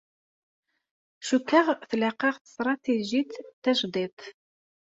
Cukkeɣ tlaq-aɣ tsetratijit tajdiṭ.